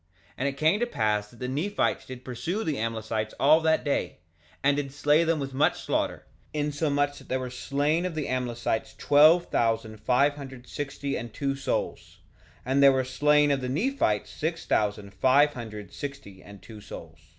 2:19 And it came to pass that the Nephites did pursue the Amlicites all that day, and did slay them with much slaughter, insomuch that there were slain of the Amlicites twelve thousand five hundred thirty and two souls; and there were slain of the Nephites six thousand five hundred sixty and two souls.